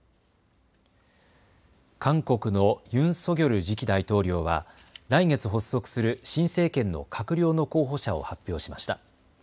韓国のユン・ソギョル次期大統領は来月発足する新政権の閣僚の候補者を発表しました。